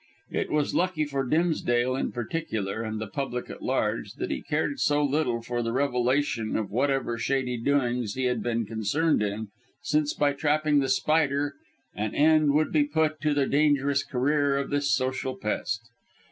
It was lucky for Dimsdale in particular and the public at large that he cared so little for the revelation of whatever shady doings he had been concerned in, since by trapping The Spider an end would be put to the dangerous career of this social pest.